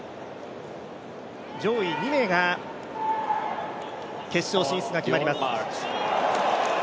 上位２名が決勝進出が決まります。